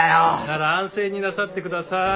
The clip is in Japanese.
なら安静になさってください。